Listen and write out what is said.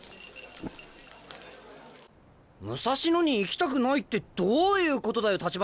武蔵野に行きたくないってどういうことだよ？